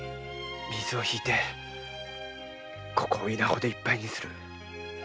水を引いてここを稲穂でいっぱいにする。